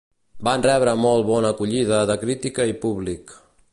Van rebre molt bona acollida de crítica i públic.